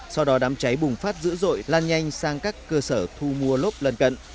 sau đó đám cháy bùng phát dữ dội lan nhanh sang các cơ sở thu mua lốp lần cận